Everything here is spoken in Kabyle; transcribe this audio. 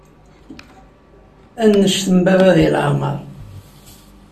Annect n baba deg leɛmer.